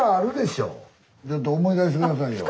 ちょっと思い出して下さいよ。